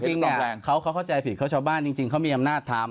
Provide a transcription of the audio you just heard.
จริงเนี่ยเขาเข้าใจผิดเขาชอบบ้านจริงเขามีอำนาจทำ